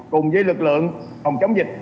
cùng với lực lượng phòng chống dịch